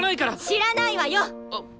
知らないわよ！